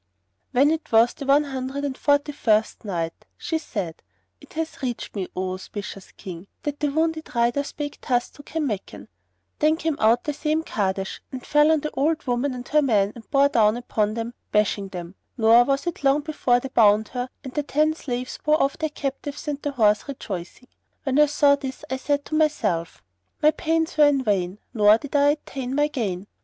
When it was the One Hundred and Forty first Night, She said, It hath reached me, O auspicious King, that the wounded rider spake thus to Kanmakan, "Then came out the same Kahrdash, and fell on the old woman and her men and bore down upon them bashing them, nor was it long before they bound her and the ten slaves and bore off their captives and the horse, rejoicing. When I saw this, I said to myself, 'My pains were in vain nor did I attain my gain.'